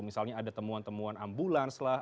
misalnya ada temuan temuan ambulans lah